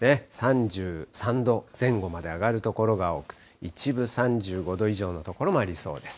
３３度前後まで上がる所が多く、一部３５度以上の所もありそうです。